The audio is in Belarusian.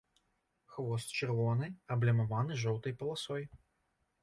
Хвост чырвоны, аблямаваны жоўтай паласой.